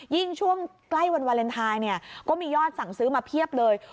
ช่วงใกล้วันวาเลนไทยเนี่ยก็มียอดสั่งซื้อมาเพียบเลย